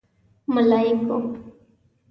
_ملايکو!